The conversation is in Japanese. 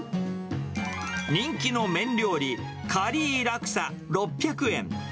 人気の麺料理、カリーラクサ６００円。